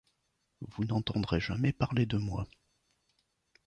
Vous n’entendrez jamais parler de moi.